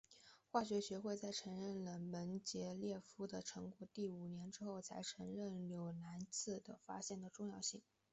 化学学会在承认了门捷列夫的成果五年之后才承认纽兰兹的发现的重要性。